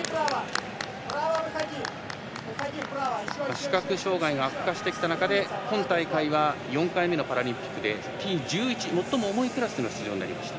視覚障がいが悪化してきた中で今大会は４回目のパラリンピックでＴ１１、最も重いクラスでの出場となりました。